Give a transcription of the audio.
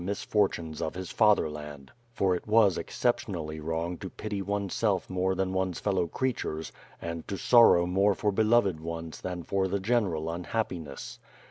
misfortunefi of his fatherland, for it was exceptionally wrong to pity oneself more than one's fellow creatures, and to sorrow more for beloved ones than for the general nnhappi ness.